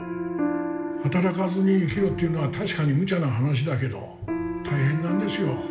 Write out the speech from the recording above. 働かずに生きろっていうのは確かにむちゃな話だけど大変なんですよ